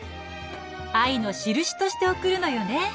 愛のしるしとして贈るのよね！